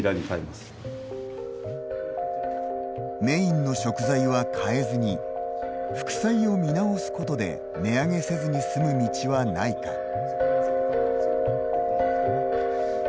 メインの食材は変えずに副菜を見直すことで値上げせずに済む道はないか。